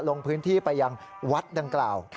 ลงพื้นที่ไปยังวัดดังกล่าว